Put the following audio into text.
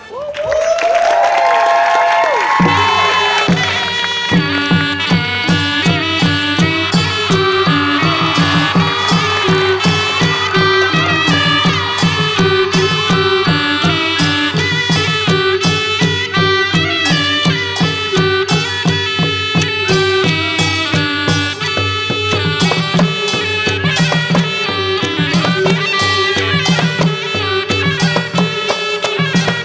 มีชื่อว่าโนราตัวอ่อนครับ